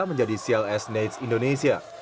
menjadi cls knights indonesia